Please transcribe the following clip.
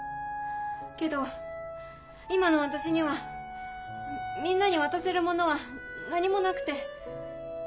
けど今の私にはみんなに渡せるものは何もなくて。